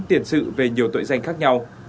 tiền sự về nhiều tội danh khác nhau